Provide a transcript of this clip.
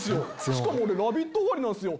しかも俺『ラヴィット！』終わりなんすよ。